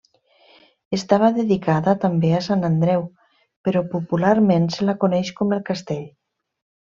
Estava dedicada també a Sant Andreu però popularment se la coneix com el castell.